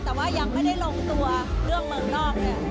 ติดต่อมาแต่ว่ายังไม่ได้ลงตัวเรื่องเมืองนอกเนี่ย